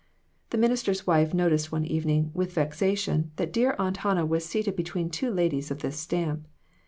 The minister's wife noticed one evening, with vexation, that dear Aunt Hannah was seated between two ladies of this stamp.